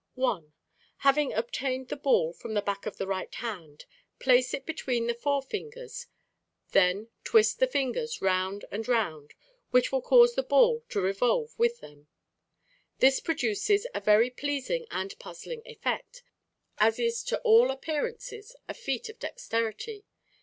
1. Having obtained the ball from the back of the right hand, place it between the forefingers (as in Fig. 16). Then twist the fingers round and round, which will cause the ball to revolve with them. This produces a very pleasing and puzzling effect, and is to all appearances a feat of dexterity.